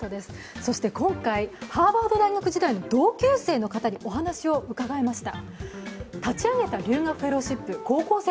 今回ハーバード時代の同級生の方にお話を伺いました。